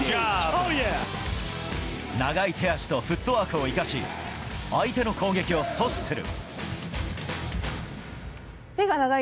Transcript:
長い手足とフットワークを生かし相手の攻撃を阻止する。